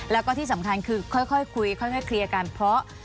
แล้วก็ที่สำคัญคือค่อยคุยค่อยเคลียร์กันเพราะ